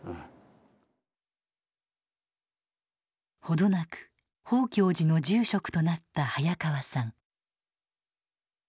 程なく宝鏡寺の住職となった早川さん。